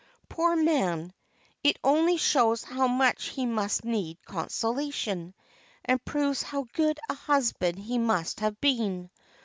Poor man, it only shows how much he must need consolation, and proves how good a husband he must have been.